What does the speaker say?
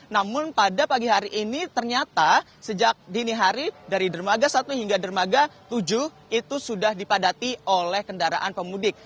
namun pada pagi hari ini ternyata sejak dini hari dari dermaga satu hingga dermaga tujuh itu sudah dipadati oleh kendaraan pemudik